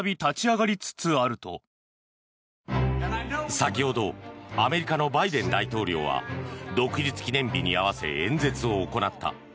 先ほどアメリカのバイデン大統領は独立記念日に合わせ演説を行った。